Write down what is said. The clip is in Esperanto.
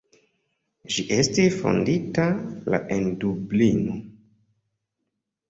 Ĝi estis fondita la en Dublino.